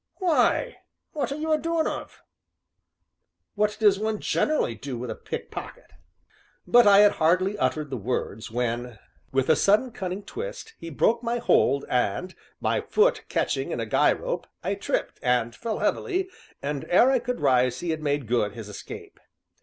"Why, what are you a doing of?" "What does one generally do with a pickpocket?" But I had hardly uttered the words when, with a sudden cunning twist, he broke my hold, and, my foot catching in a guy rope, I tripped, and fell heavily, and ere I could rise he had made good his escape.